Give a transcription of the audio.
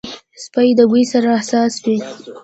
سپي د بوی سره حساس وي.